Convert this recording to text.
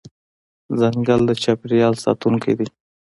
ځنګل د چاپېریال ساتونکی دی.